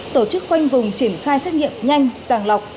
tổ chức khoanh vùng triển khai xét nghiệm nhanh sàng lọc